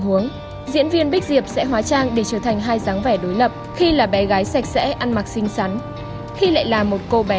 với dáng vẻ lấm lem phải chăng sẽ không ai quan tâm đến cô bé